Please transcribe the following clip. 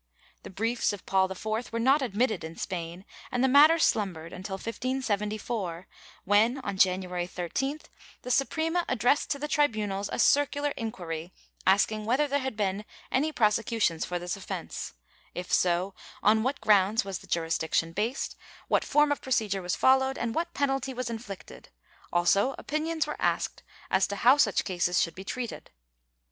The briefs of Paul IV were not admitted in Spain, and the matter slumbered until 1574 when, on January 13th, the Suprema addressed to the tribunals a circular inquiry, asking whether there had been any prosecutions for this offence; if so, on what grounds was the jurisdiction based, what form of procedure was followed, and what penalty was inflicted; also opinions were asked as to how such cases should be treated.